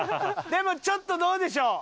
でもちょっとどうでしょう？